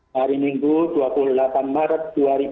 hari minggu dua puluh delapan maret